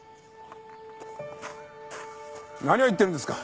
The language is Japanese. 何を言ってるんですか！